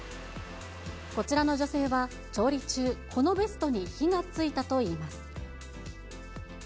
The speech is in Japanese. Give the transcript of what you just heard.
こちらの女性は、調理中、このベストに火がついたといいます。